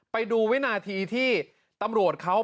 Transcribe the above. ไปดูวินาทีที่ตำรวจเขา